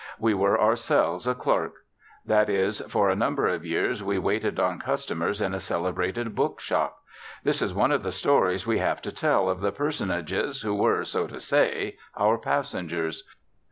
We were ourselves a clerk. That is, for a number of years we waited on customers in a celebrated book shop. This is one of the stories we have to tell of the personages who were, so to say, our passengers.